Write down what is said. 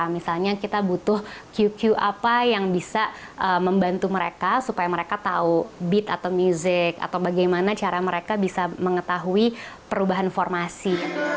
misalnya kita butuh q apa yang bisa membantu mereka supaya mereka tahu beat atau music atau bagaimana cara mereka bisa mengetahui perubahan formasi